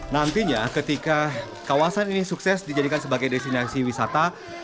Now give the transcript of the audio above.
nantinya ketika kawasan ini sukses dijadikan sebagai destinasi wisata